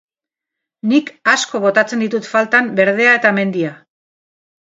Nik asko botatzen ditut faltan berdea eta mendia.